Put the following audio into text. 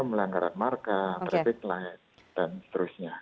pelanggaran marka traffic light dan seterusnya